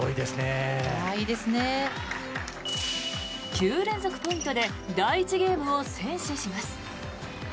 ９連続ポイントで第１ゲームを先取します。